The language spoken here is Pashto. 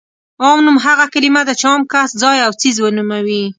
عام نوم هغه کلمه ده چې عام کس، ځای او څیز ونوموي.